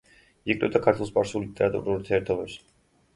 იკვლევდა ქართულ-სპარსულ ლიტერატურულ ურთიერთობებს.